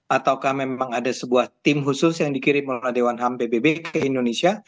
ataukah memang ada sebuah tim khusus yang dikirim oleh dewan ham pbb ke indonesia